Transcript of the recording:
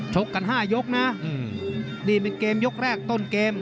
กัน๕ยกนะนี่เป็นเกมยกแรกต้นเกม